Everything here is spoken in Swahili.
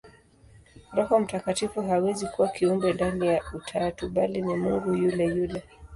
Roho Mtakatifu hawezi kuwa kiumbe ndani ya Utatu, bali ni Mungu yule yule.